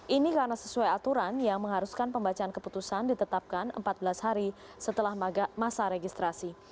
ini karena sesuai aturan yang mengharuskan pembacaan keputusan ditetapkan empat belas hari setelah masa registrasi